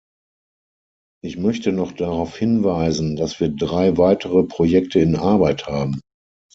Ich möchte noch darauf hinweisen, dass wir drei weitere Projekte in Arbeit haben.